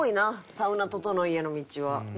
サウナととのいへの道は。